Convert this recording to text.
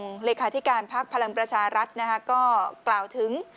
เลขาธิการพักพลังประชารัฐนะคะก็กล่าวถึง